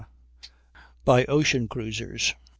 By Ocean Cruisers.